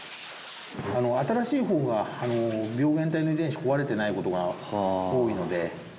新しいほうが、病原体の遺伝子、壊れてないことが多いので。